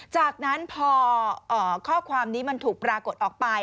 จากนั้นพอข้อความนี้มันถูกปรากฏออกไป